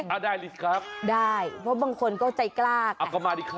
อ่ะได้ลิศครับเพราะบางคนก็ใจกล้าก่อน